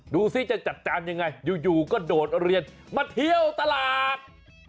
ดูสิจะจัดการยังไงอยู่ก็โดดเรียนมาเที่ยวตลาด